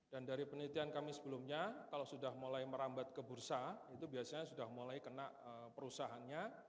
dan dari penelitian kami sebelumnya kalau sudah mulai merambat ke bursa itu biasanya sudah mulai kena perusahaannya